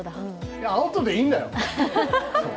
いや、アウトでいいんだよ。